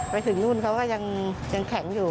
ไปถึงนู่นเขาก็ยังแข็งอยู่